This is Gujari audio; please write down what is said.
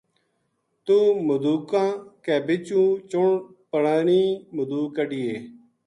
توہ مدوکاں کے بِچوں چُن پرانی مدوک کڈھنیے‘‘